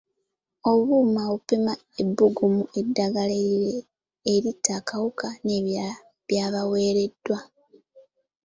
Obuuma obupima ebbugumu, eddagala eritta akawuka n'ebirala byabaweereddwa.